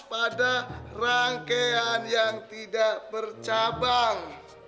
pada rangkaian yang tidak bercabang